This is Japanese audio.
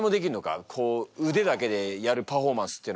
こう腕だけでやるパフォーマンスっていうのも。